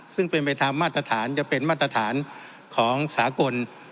ซึ่งเป็นไปตามมาตรฐานจะเป็นมาตรฐานของสากล